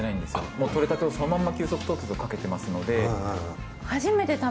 もう獲れたてをそのまま急速凍結をかけてますので。